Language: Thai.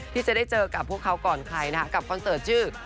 ที่จะได้เจอกับพวกเขาก่อนใครนะคะกับคอนเสิร์ตชื่อ